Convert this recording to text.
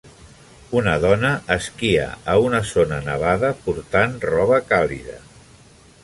Una dona esquia a una zona nevada portant roba càlida.